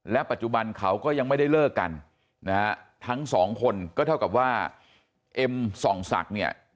ปัจจุบันเขาก็ยังไม่ได้เลิกกันนะฮะทั้งสองคนก็เท่ากับว่าเอ็มส่องศักดิ์เนี่ย